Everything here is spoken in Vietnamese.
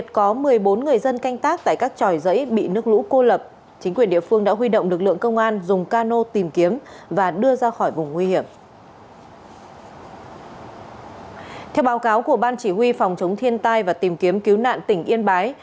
theo báo cáo của ban chỉ huy phòng chống thiên tai và tìm kiếm cứu nạn tỉnh yên bái